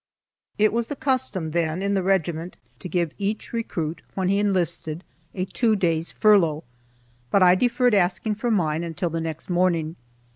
It was the custom then in the regiment to give each recruit when he enlisted a two days furlough, but I deferred asking for mine until the next morning.